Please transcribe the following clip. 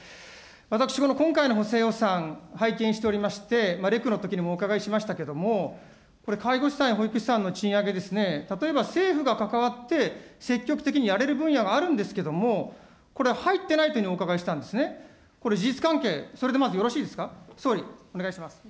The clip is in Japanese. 私この今回の補正予算、拝見しておりまして、レクのときにもお伺いしましたけれども、介護士さんや保育士さんの賃上げですね、例えば政府が関わって、積極的にやれる分野があるんですけども、これ、入っていないというのをお伺いしてたんですね、事実関係、それでまずよろしいですか、総理、お願いします。